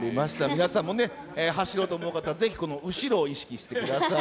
皆さんもね、走ろうと思う方は、ぜひ後ろを意識してください。